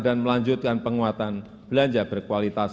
dan melanjutkan penguatan belanja berkualitas